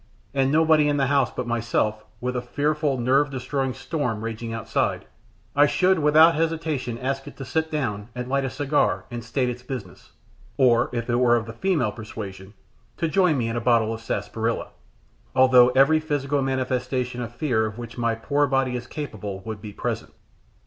and nobody in the house but myself, with a fearful, nerve destroying storm raging outside, I should without hesitation ask it to sit down and light a cigar and state its business or, if it were of the female persuasion, to join me in a bottle of sarsaparilla although every physical manifestation of fear of which my poor body is capable would be present.